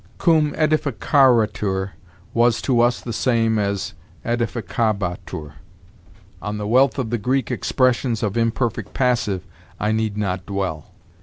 Cum ædificaretur was to us the same as ædificabatur. On the wealth of the Greek in expressions of imperfect passive I need not dwell.